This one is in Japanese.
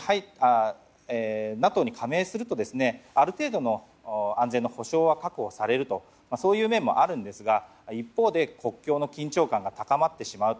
ＮＡＴＯに加盟するとある程度の安全の保証は確保される面があるんですが一方で国境の緊張感が高まってしまう。